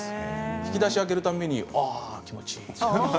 引き出しを開ける度に気持ちいいって。